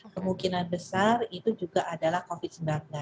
kemungkinan besar itu juga adalah covid sembilan belas